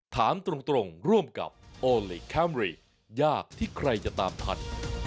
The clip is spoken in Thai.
ถามตรงร่วมกับโอลี่คัมรี่ยากที่ใครจะตามทัน